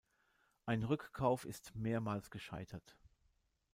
Ein Rückkauf ist mehrmals gescheitert.